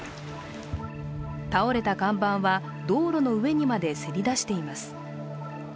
倒れた看板は、道路の上にまでせり出しています。